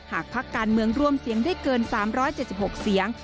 พักการเมืองรวมเสียงได้เกิน๓๗๖เสียง